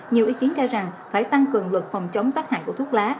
nhiều ý kiến cho rằng phải tăng cường luật phòng chống tác hại của thuốc lá